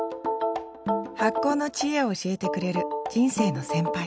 発酵の知恵を教えてくれる人生の先輩